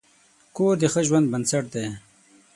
کور د ښه ژوند بنسټ دی.